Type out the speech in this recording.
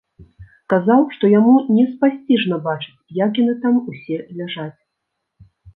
Казаў, што яму неспасціжна бачыць, як яны там усе ляжаць.